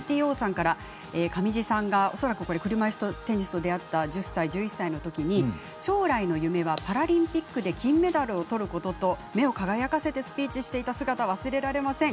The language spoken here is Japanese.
上地選手が恐らく車いすテニスと出会った１０歳、１１歳のときに将来の夢はパラリンピックで金メダルをとることと目を輝かせてスピーチしていた姿が忘れられません。